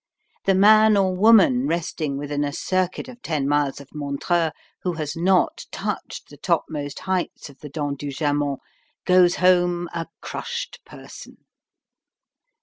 The man or woman resting within a circuit of ten miles of Montreux, who has not touched the topmost heights of the Dent du Jaman, goes home a crushed person.